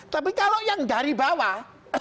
tapi kalau yang dari bawah